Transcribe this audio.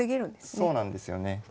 そうなんですよね。